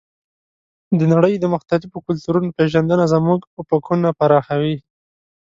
د نړۍ د مختلفو کلتورونو پېژندنه زموږ افقونه پراخوي.